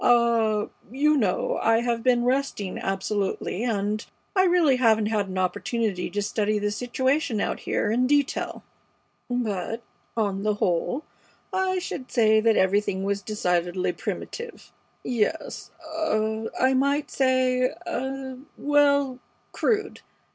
Ah you know I have been resting absolutely, and I really haven't had opportunity to study the situation out here in detail; but, on the whole, I should say that everything was decidedly primitive; yes ah I might say ah well, crude.